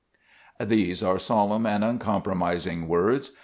These are solemn and uncompromising words.